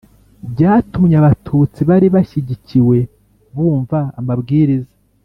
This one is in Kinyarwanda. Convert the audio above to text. byatumye Abatutsi bari bashyigikiwe bumva amabwiriza